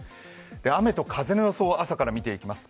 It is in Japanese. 雨と風の予想を朝から見ていきます。